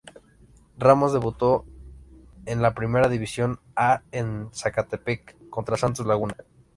Ramos debutó el en la Primera División A en el Zacatepec contra Santos Laguna.